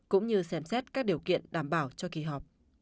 cũng như xem xét các điều kiện đảm bảo cho kỳ họp